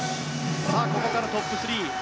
ここからトップ３です。